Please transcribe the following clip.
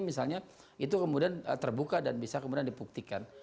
misalnya itu kemudian terbuka dan bisa kemudian dibuktikan